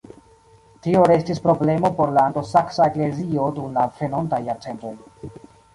Tio restis problemo por la anglosaksa eklezio dum la venontaj jarcentoj.